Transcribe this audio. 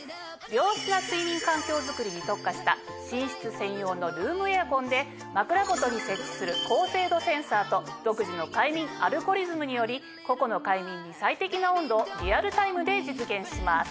良質な睡眠環境づくりに特化した寝室専用のルームエアコンで枕元に設置する高精度センサーと独自の快眠アルゴリズムにより個々の快眠に最適な温度をリアルタイムで実現します。